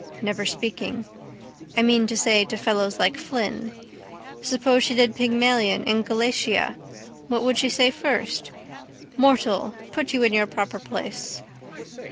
Never speaking. I mean to say to fellows like Flynn. Suppose she did Pygmalion and Galatea what would she say first? Mortal! Put you in your proper place.